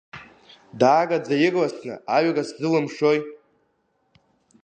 Даараӡа ирласны аҩра зсылымшои?